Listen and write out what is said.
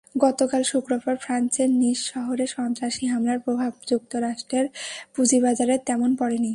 গতকাল শুক্রবার ফ্রান্সের নিস শহরে সন্ত্রাসী হামলার প্রভাব যুক্তরাষ্ট্রের পুঁজিবাজারে তেমন পড়েনি।